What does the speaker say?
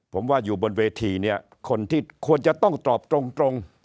ผมว่าอยู่บนเวทีเนี่ยคนที่ควรจะต้องตอบตรง